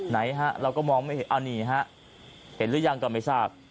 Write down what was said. ไหนฮะเราก็มองไม่เห็นเอานี่ฮะเห็นหรือยังก็ไม่ทราบ